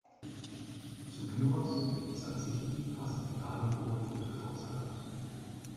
Zu Gyros mit Tsatsiki passen Fladenbrot und Krautsalat.